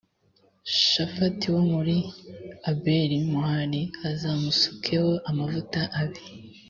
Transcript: shafati wo muri abeli meholal uzamusukeho amavuta abe